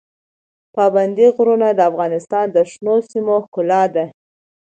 پابندی غرونه د افغانستان د شنو سیمو ښکلا ده.